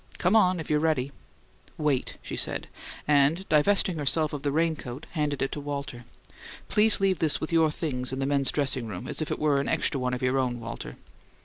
"Come on, if you're ready." "Wait," she said, and, divesting herself of the raincoat, handed it to Walter. "Please leave this with your things in the men's dressing room, as if it were an extra one of your own, Walter."